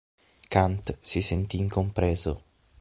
Kant si sentì incompreso.